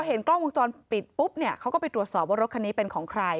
เห็นกล้องวงจรปิดปุ๊บเนี่ยเขาก็ไปตรวจสอบว่ารถคันนี้เป็นของใคร